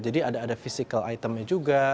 jadi ada ada physical itemnya juga